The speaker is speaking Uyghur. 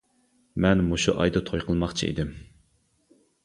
مەن مۇشۇ ئايدا توي قىلماقچى ئىدىم.